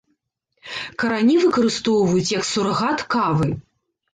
Карані выкарыстоўваюць як сурагат кавы.